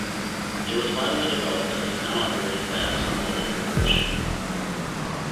It was finally developed and is now operated by Exxon Mobil Corporation.